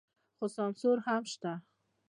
خو سانسور هم شته.